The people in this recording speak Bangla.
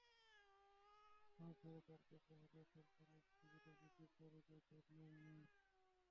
মাছ ধরা তাঁর পেশা হলেও সরকারের সুবিধাভোগীর তালিকায় তাঁর নাম নেই।